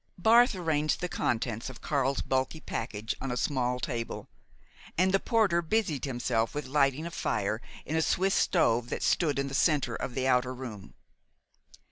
Barth arranged the contents of Karl's bulky package on a small table, and the porter busied himself with lighting a fire in a Swiss stove that stood in the center of the outer room.